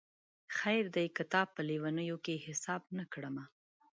خیر دی که تا په لېونیو کي حساب نه کړمه